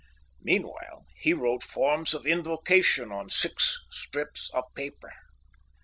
Meanwhile, he wrote forms of invocation on six strips of paper.